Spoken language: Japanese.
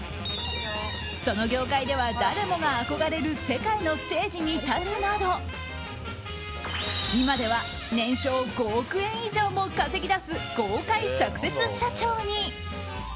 その業界では誰もが憧れる世界のステージに立つなど今では年商５億円以上も稼ぎ出す豪快サクセス社長に。